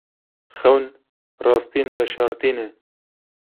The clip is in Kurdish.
Xewn rastiyên veşartî ne.